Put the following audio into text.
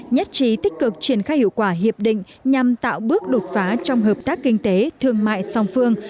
nhất trí tích cực triển khai hiệu quả hiệp định nhằm tạo bước đột phá trong hợp tác kinh tế thương mại song phương